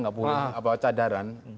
nggak boleh pakai cadaran